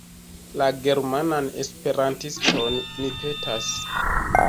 La »Germanan Esperantiston« mi petas.